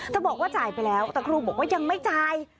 บอกว่าจ่ายไปแล้วแต่ครูบอกว่ายังไม่จ่าย